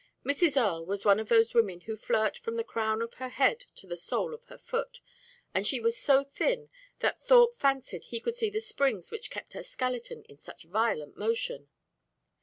Mrs. Earle was one of those women who flirt from the crown of her head to the sole of her foot, and she was so thin that Thorpe fancied he could see the springs which kept her skeleton in such violent motion.